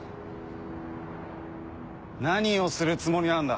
何をするつもりなんだ。